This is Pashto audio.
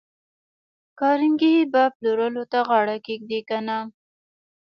کارنګي به پلورلو ته غاړه کېږدي که نه